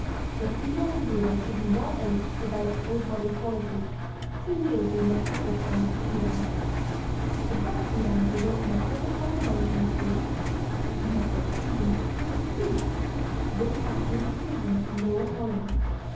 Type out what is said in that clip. Both Edam and Gouda should be well aged to develop full bodied quality, two years being the accepted standard for Edam. The best Edams result from a perfect combination of Breed (black and white Dutch Friesian) and Feed (the rich pasturage of Friesland and Noord Holland).